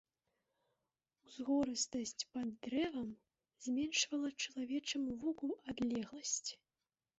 Узгорыстасць пад дрэвам зменшвала чалавечаму воку адлегласць.